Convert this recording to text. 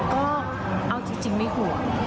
ก็เอาจริงไม่ห่วง